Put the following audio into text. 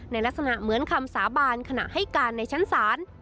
ลักษณะเหมือนคำสาบานขณะให้การในชั้นศาล